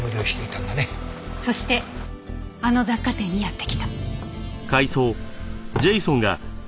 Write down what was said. そしてあの雑貨店にやってきた。